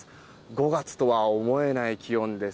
５月とは思えない気温です。